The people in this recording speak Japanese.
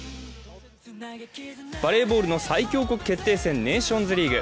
バレーボールの最強国決定戦、ネーションズリーグ。